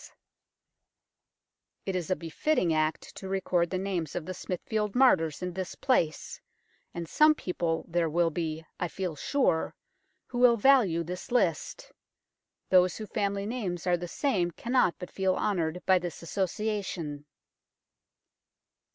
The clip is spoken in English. THE FIRES OF SMITHFIELD 189 It is a befitting act to record the names of the Smithfield Martyrs in this place, and some people there will be, I feel sure, who will value this list. Those whose family names are the same cannot but feel honoured by this association.